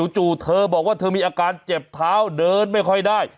เธอบอกว่าเธอมีอาการเจ็บเท้าเดินไม่ค่อยได้